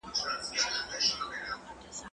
زه اجازه لرم چي زده کړه وکړم!؟